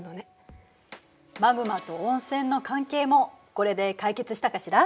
マグマと温泉の関係もこれで解決したかしら？